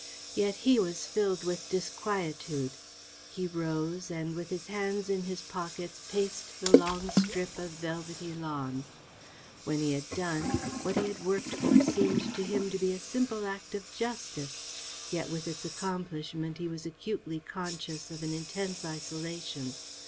Yet he was filled with disquietude. He rose and, with his hands in his pockets, paced the long strip of velvety lawn. What he had done, what he had worked for, seemed to him to be a simple act of justice, yet with its accomplishment he was acutely conscious of an intense isolation.